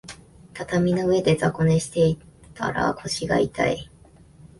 畳の上で雑魚寝してたら腰が痛い